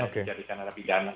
menjadikan lebih dana